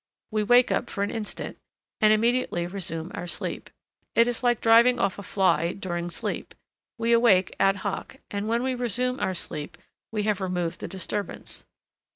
We wake up for an instant, and immediately resume our sleep. It is like driving off a fly during sleep, we awake ad hoc, and when we resume our sleep we have removed the disturbance.